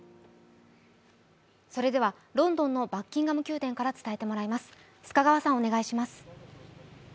それでは、ロンドンのバッキンガム宮殿から伝えてもらいます。